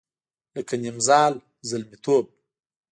لکه نیمزال زلمیتوب